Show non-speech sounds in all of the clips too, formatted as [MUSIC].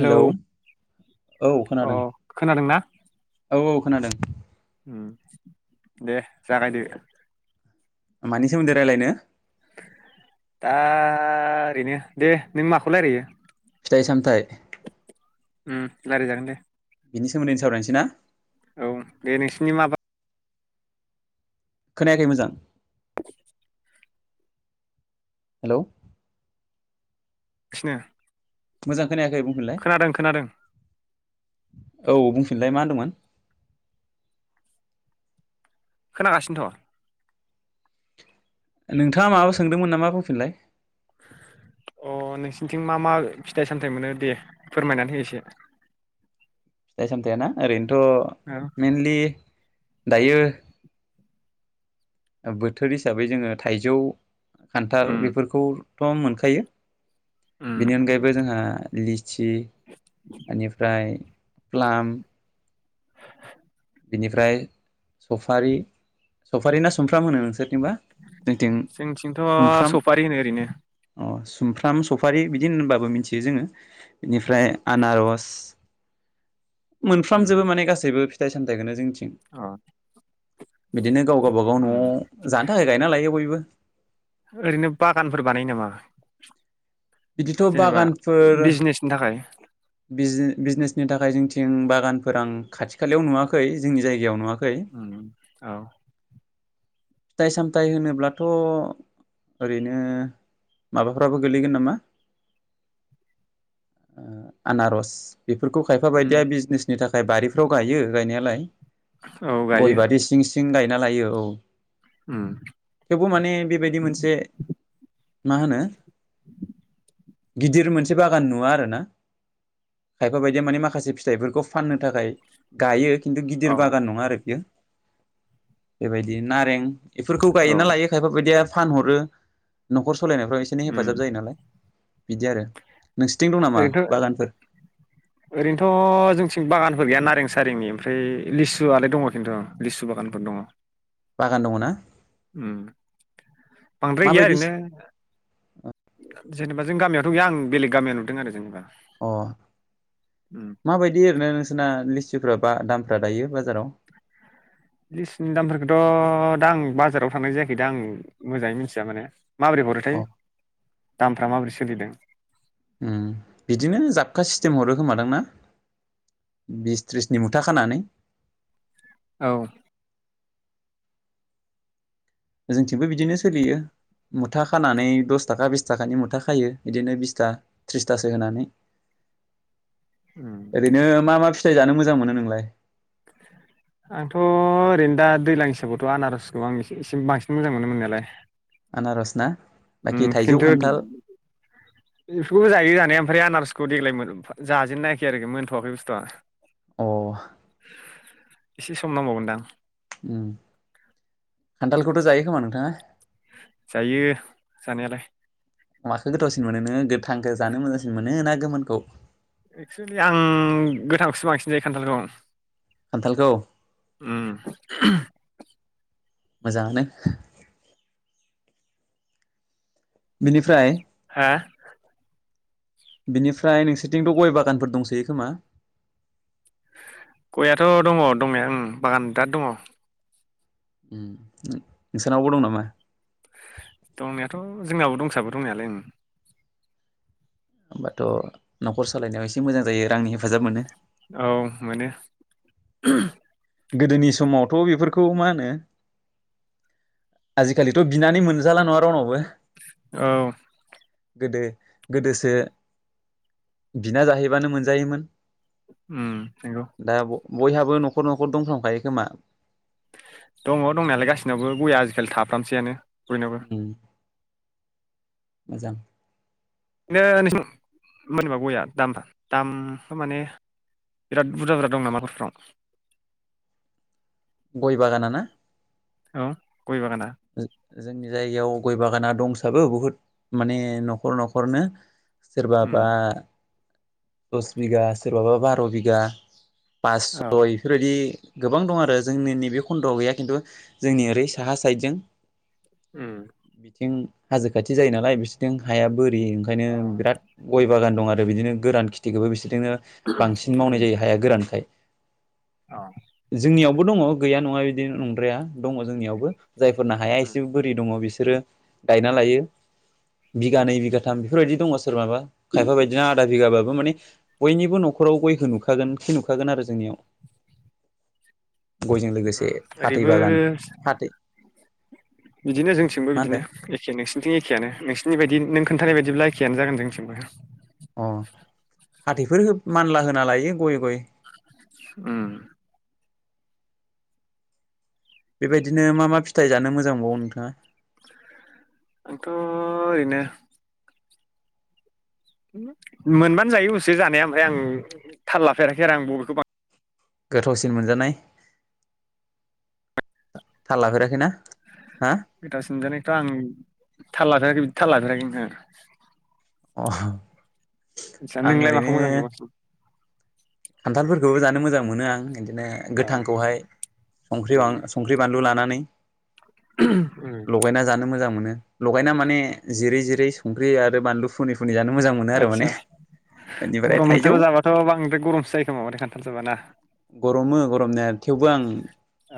Hello औ अ खोनादों खोनादोंना औ औ खोनादों उम दे जागायदो मानि सोमोन्दै राय्लायनो? दा ओरैनो दे नों माखौलायरायो? फिथाइ सामथाइ उम लायराय जागोन दे बिनि सोमोन्दैनो सावरायनोसै ना? औ दे नोंसिनि माबा खोनायाखै मोजां [INAUDIBLE] हेलौ खिनो मोजां खोनायाखै बुंफिनलाय औ बुंफिनलाय मा होनदोंमोन? खोनागासिनोथ' नोंथाङा माबा सोंदोंमोन नामा बुंफिनलाय अ नोंसिनिथिं मा मा फिथाइ सामथायाइ मोनो दे फोरमायनानै हो एसे फिथाइ सामथायाना ओरैनो थ' औ मेनलि दायो बोथोर हिसाबै जोङो थाइजौ खान्थाल उम बेफोरखौ थ' मोनखायो उम बेनि अनगायैबो जोंहा लिचि एनिफ्राय प्लाम बिनिफ्राय सफारि सफारि ना सुमफ्राम होनो नोंसोर जोंथिंथ' सफारि होनो ओरैनो अ सुमफ्राम सफारि बिदि होनबाबो मिथियो जोङो बेनिफ्राय आनारस उम मोनफ्रामजोबो माने गासैबो फि थाइ सामथायखोनो जों थिं अ बिदिनो गाव गाबागाव उम न'आव जानो थाखाय गायना लायो बयबो ओरैनो बागानफोर बानायो नामा बिदिथ' जेनेबा बिजनेसनि थाखाय बिजे बिजनेसनि थाखाय जोंथिं बागानफोर आं खाथि खालायाव नुवाखै जोंनि जायगायाव नुवा उम औ फिथाइ सामथाइ होनोब्लाथ' ओरैनो माबाफ्राबो गोलैगोन नामा आनारस बेफोरखौ खायफा उम बायदिया बिजनेसनि था खाय बारिफ्राव गायो गायनायालाय औ गायो गय बारि सिं सिं गाय ना लायो औ उम थेवबो माने बेबायदि मोनसे मा होनो [INAUDIBLE] गिदिर मोनसे बागान नुवा आरो ना खायफा बायदिया माने माखासे फिथाइफोरखौ फाननो थाखाय गायो खिन्थु अ गिदिर बागान नङा आरो बेयो बेबायदि नारें बेफोरखौ औ गायोना लायो खायफा बायदिया फानहरो न'खर सलायनायफ्राव एसेनो उम हेफाजाब जायो नालाय बिदि आरो नोंसोरथिं दं नामा ओरैनोथ' बागानफोर सारिनि ओमफ्राय लिसुआलाय दङ खिन्थु लिसु बागानफोर दङ बागान दङ ना उम बांद्राय गैया माबायदि ओरैनो जेनेबा जों गामियावथ' गैया आं बेले गामियाव नुदों आरो जेनेबा अ उम माबायदि ओरैनो नोंसोरना लि [UNINTELLIGIBLE] बा दामफ्रा दायो बाजाराव लिसुनि दामफोरखौथ' दा आं बाजाराव थांनाय जायाखै दा आं मोजाङै मिथिया माने माबोरै हरोथाय अ दामफ्रा माबोरै सोलिदों? उम बिदिनो जाबखा सिस्टेम हरो खोमादांना बिस त्रिसनि मुथा खानानै। औ जोंथिंबो बिदिनो सोलियो मुथा खानानै दस थाखा बिस थाखानि मुथा खायो बिदिनो बिसथा थ्रिसथासो होनानै उम ओरैनो मा मा फिथाय जानो मोजां मोनो नोंलाय आंथ' ओरैनो दा दैज्लां हिसाबावथ' आनारसखौ आं ए एसे बांसिन मोजां मोनो मोननायालाय। आनारसना उम खिन्थु बेफोरखौबो जायो जानाया। ओमफ्राय आनारसखौ देग्लाय जाजेननोनायाखै आरोखि मोनथ'वाखै बुस्थुआ। अ एसे सम नांबावगोनदां खान्थालखौथ' जायो खोमा नोंथाङा? जायो जानायालाय माखौ गोथावसिन मोनो ना गोथांखौ जानो मोजांसिन मोनो ना? गोमोनखौ एक्सेुलि आं गोथांखौसो बांसिन जायो खान्थालखौ। खान्थालखौ उम मोजाङानो बिनिफ्राय हा बिनिफ्राय नोंसोरथिंथ' गय बागानफोर दंसैयो खोमा? गयाथ' दङ दंनाय उम बागान बिराद दङ। नोंसोरनावबो दं नामा? दंनायाथ' जोंनावो दंसाबो दंनायालाय ओ होमबाथ' न'खर सालायनायाव एसे मोजां जायो रांनि हेफाजाब मोनो औ मोनो [INAUDIBLE] गोदोनि समावथ' बेफोरखौ मा होनो आजिखालिथ' बिनानै मोनजाला नङा रावनावबो औ गोदो गोदोसो बिना जाहैबानो मोनजायोमोन। उम हागौ दा बयहाबो न'खर न'खर [UNINTELLIGIBLE] दंथांखायो खोमा दङ दंनायालाय गासिनावबो गया आजिखालि थाफ्रामसैआनो बयनाबो उम मोजां ओ नोंस [INAUDIBLE] मोनबा गया दामा दामखौ माने बिराद बुरजा बुरजा दं नामाफ्राव गय बागाना ना औ गय बागाना जोंनि जायगायाव गय बागाना दंसाबो बुहुद माने नखर नखरनो उम सोरबाबा दस बिगा सोरबाबा बार बिगा पास औ सम बेफोर बायदि गोबां दं आरो जोंनि नैबे खन्दयाव गैया खिन्थु जोंनि ओरै साहा साइदजों उम बिथिं हाजो खाथि जायो नालाय बिसिथिं हाया बोरि ओंखायनो अ बिराद गय बागान दं आरो बिदिनो गोरान खिथिखौबो बिसोर बिदिनो बांसिन उम मावनाय जायो हाया गोरानखाय अ बो दङ गैया नङा इदि नंद्राया दङ जोंनावबो जाय फोरनो हाया उम एसे बोरै दङ बिसोर बिसोरो गायना लायो। बिगानैै बिगाथाम बेफोरबायदि दङ सोरनाबा खायफा बायदिना आधा बिगाबाबो माने बयनिबो नखराव गयखौ नुखागोन खि नुखागोन आरो जोंनियाव गयजों लोगोसे उम फाथै बागान ओरैबो फाथै बिदिनो जोंथिंबो मा होनदों बिदिनो एखे नोंसिनिथिं एखेयानो नोंसिनि बायदि नों खोन थानाय बायदिब्ला एखेयानो जागोन जोंनिथिंबो। अ फाथैफोर मानला होना लायो गय गय। उम बेबायदिनो मा मा फिथाइ जानो मोजां मोनबावो नोंथाङा? आथ ओरैनो मोनबानो जायो उबसे जानाया ओमफ्राय आं थाल लाफेराखै आरो आं बबेखौ बां गोथावसिन मोनजानाय थाल लाफेराखैना? हा गोथावसिन मोनजानायखौथ आं थाल लाफेराखै बिदि थाल लाफेराखै नोंथां। अ आदसा आं नोंलाय माखौ मोजां मोनो बांसिन? खानथालफोरखौबो जानो मोजां मोनो आं। बिदिनो औ गोथांखौहाय संख्रि उम संख्रि बानलु लानानै उम लगायना जानो मोजां मोनो। लगायना माने जिरै जिरै संख्रि आरो बानलु फुनै फुनै जानो मोजां मोनो आरो माने आदसा बेनिफ्राय गरम थाइजौ बोथोराव जाबाथ बांद्राय गरमसो जायो। बे समावबाथाय खानथाल जाबा ना। गरमो गरमनाया थेवबो आं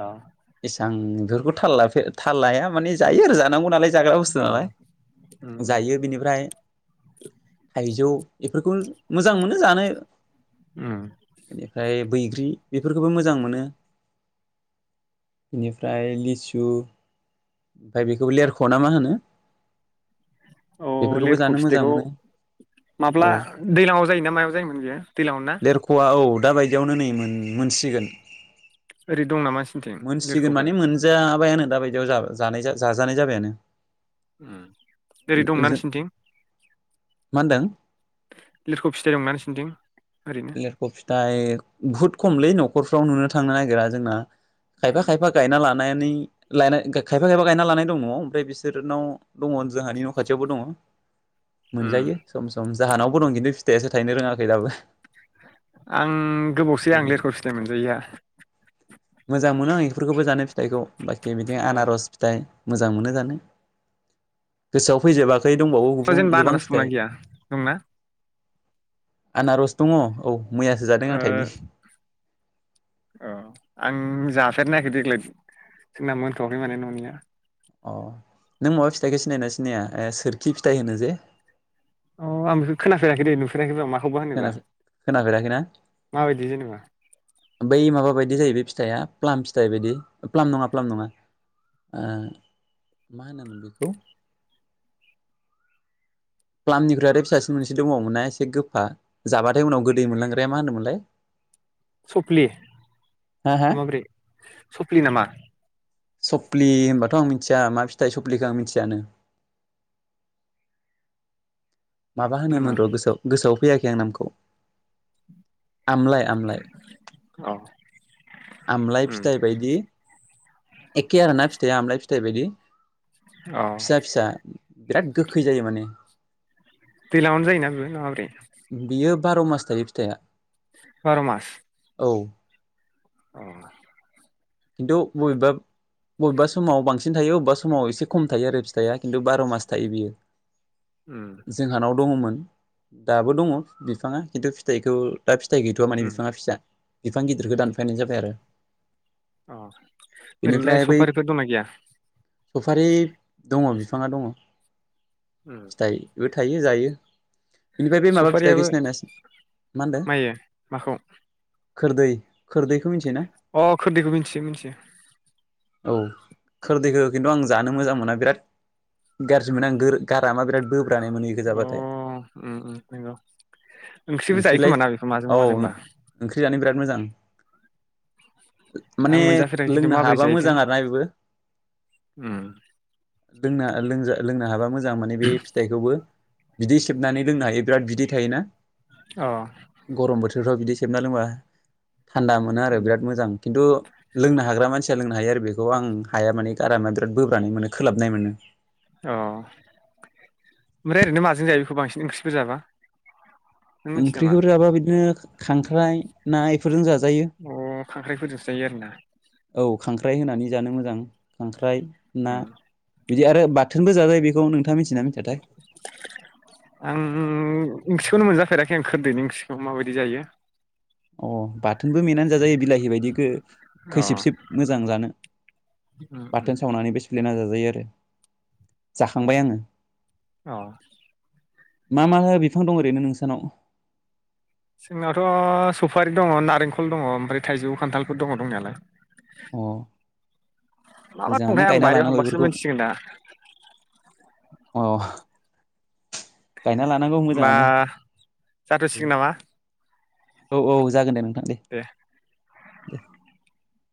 औ एसां बेफोरखौ थाल लाफे थाल लाया माने जायो आरो जानांगौ नालाय जाग्रा बुस्थु औ नालाय उम उम जायो बेनिफ्राय थाइजौ बेफोरखौ मोजां मोनो जानो उम बेनिफ्राय बैग्रि बेफोरखौबो मोजां मोनो बेनिफ्राय लिसु ओमफ्राय बेखौबो लेरख' ना मा होनो? अ बेफोरखौबो लिरखु जानो मोजां फिथाइखौ मोनो माब्ला औ दैलाङाव जायोना मायाव जायोमोन बियो दैलाङाव ना? दा बायदियावनो नै मोन उ मोनसिगोन ओरै दं नामा नोंसिनिथिं मोनसिगोन लिरख'फोर माने मोनजाबायानो दा बायदियाव जा जानाय जाजानाय जाबायानो उ ओरै दंना नोंसिनिथिं मा होनदों लिरखौ फिथाइ दंना नोंसिनिथिं ओरैनो लेरख' फिथाइ बुहुत खमलै न'खरफ्राव नुनो थांनो नागिरा जोंना खायफा खायफा गायना ला नानै लानानै लाय खायफा खायफा गायना लानाय दङ ओमफ्राय बिसोरनाव दङ जोंहानि न' खाथियावबो दङ। उम मोनजायो सम सम जाहोनावबो दं खिन्थु फिथाइआसो थायनो रोङाखै दाबो। आं गोबावसै आं लिंखर फिथाय मोनजायैया। मोजां मोनो आं बेफोरखौबो जानो फि फिथाइखौ बाखि बिदिं आनारस अ फिथाइ मोजां मोनो जानो गोसोआव फैजोबाै फिथाइ दंबावो गुबुन जेनेबा गोबां आनारस दंना फिथाइ गैया दंना आनारस् दङ औ मैयासो जादों ओ आं थाइनै। अ आं जाफेरनायाखै देग्लाय जोंना मोनथ'वाखै माने न'निया। अ नों माबा फिथाइखौ सिनायना सिनाया ओ सोरखि फिथाइ होनो जे अ आं बेखौ खोनाेराखै नुफेराखैबो मा [UNINTELLIGIBLE] खोनाफेराखैना माबायदि जेनेबा बै माबा बायदि जाहैबाय फिथया प्लाम फिथाइ बायदि प्लाम नङा प्लाम नङा मा होनोमोन बेखौ? प्लालामनिख्रुइ फिसासो मोनसे दङावमोन ना एसे गोफा जाबाथाय उनाव गोदै मोनलांग्राया मा होनोमोनलाय? सफ्लि हा हा माब्रै सफ्लि नामा सफ्लि होनबाथ' आं मिथिया मा फिथाइ सफ्लिखौ आं मिथियानो। माबा बे नामा होनोमोन र' गोसोआव गोसोआव फैयाखै आं नामखौ आमलाय आमलाय अ आमलाय उम फिथाइ बायदि एखे आरोना फिथाइया आमलाय फिथाइ बायदि अ फिसा फिसा बिराद गोखै जायो माने दैलाङावनो जायोना बेबो माबोरै बियो बार' मास थायो फिथाइआ बार' मास औ औ खिन्थु बबेबा बबेबा समाव बांसिन थायो बबेबा समाव एसे खम थायो आरो फिथाइया खिन्थु बार' मास थायो बियो उम जोंहानाव दङमोन दाबो दङ बिफाङा खिन्थु फिथाइखौ दा फिथाइ गैथ'आ माने उम बिफाङा फिसा बिफां गिदिरखौ दानफानाय जाबाय आरो अ ओरैनोलाय बेनिफ्राय बै सफारिफोर दंना गैया सफारि दङ बिफाङा दङ उम बेबो थायो जायो बिनिफ्राय बे माबा फिथाइखौ सफारियाबो सिनायोना मा होनदो मायो माखौ खोरदै खोरदै अ खोरदैखौ मिथियो मिथियो औ खोरदैखौ खिन्थु आं जानो मोजां मोना बिराद गाज्रि मोनो आं गारामा बिराद बो ब्रानाय मोनो इखौ अ गोजाबाथाय उम उम नंगौ ओंख्रिबो जायो ओंख्रिलाय खोमा ना बेखौ औ माजोंबा माजोंबा ओंख्रि जानो बिराद मोजां आं माने मोनजाफेराखै खिन्थु लोंनो माबोरै हाबा जायोथाय मोजां आरो ना बेबो उम लोंनो लोंनो लोंनो हाबा मोजां माने बे बेखौबो बिदै सेबनानै लोंनो हायो बिराद बिदै थायोना अ गरम बोथोरफोराव बिदि सेबना लोंबा थान्दा मोनो आरो उम बिराद मोजां खिन्थु लोंनो हाग्रा मानसिया लोंनो हायो बेखौ आं हाया माने गारामा बिराद बोब्रानो मोने खोलाबनाय मोनो अ ओमफ्राय ओरैनो माजों जायो बेखौ बांसिन ओंख्रिफोर जाबा नों मिथियो नामा ओंख्रिखौ जाबा बिदिनो खांख्राइ ना इफोरजों जाजायो अ खांख्राइफोरजों जायो आरोना औ खांख्राइ होनानै जानो मोजां खां ख्रांय ना उम बिदि आरो बा थोनबो जाजायो बेखौ नों आं [UNINTELLIGIBLE] खुनु मोनजाफेराखै आं खोरदैनि ओंख्रिखौ माबायदि जायो। अ बाथ बाथोनबो मेनानै जाजायो बिलाहि बायदि अ खैसिब सिब मोजां जानो उम उम बाथोन सावनानै बेसे देना जाजायो आरो जाखांबाय आङो। अ मा मा बिफां दं ओरैनो नोंसानाव? जोंनावथ सफारि दङ नारेंखल दङ ओमफ्राय थाइजौ खान्थालफोर दङ दंनायालाय। अ मा मा मोजाङानो दंथाय आं गायना बारियाव लानांगौ हाबासो बेफोरखौ मिथिसिगोन दा। अ गायना लानांगौ होमबा मोजाङानो दे जाथ'सिगोन नामा औ औ जागोन दे नोंथां दे। द [INAUDIBLE]